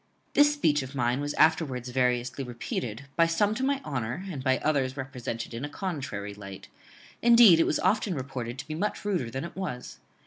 This speech of mine was afterwards variously repeated, by some to my honour, and by others represented in a contrary light; indeed, it was often reported to be much ruder than it was.